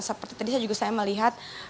seperti tadi saya juga melihat